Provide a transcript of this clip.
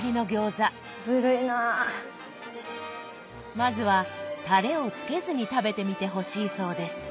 まずはたれをつけずに食べてみてほしいそうです。